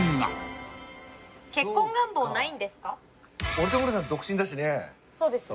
俺とムロさん独身だしね。